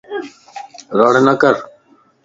رڙ نڪر